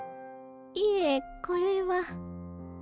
いえこれは。